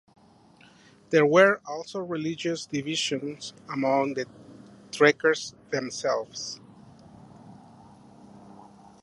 There were also religious divisions among the trekkers themselves.